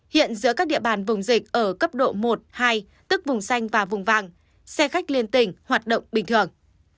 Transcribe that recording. hiện giữa các địa bàn vùng dịch ở cấp độ một hai tức vùng xanh và vùng vàng xe khách liên tỉnh hoạt động bình thường